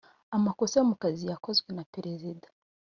Amakosa yo mu kazi yakozwe na Perezida